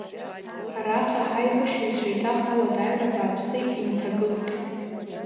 Араҟа ҳаибашьыҩцәа еиҭах ауадаҩра бааԥсы инҭагылт.